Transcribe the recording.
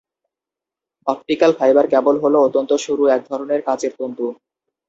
Optical fibre cable হলো অত্যন্ত সরু এক ধরনের কাচের তন্তু।